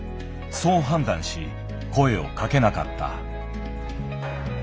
そう判断し声をかけなかった。